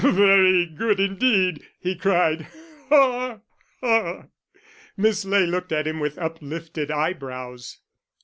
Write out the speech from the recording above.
"Very good indeed," he cried. "Ha, ha!" Miss Ley looked at him with uplifted eyebrows.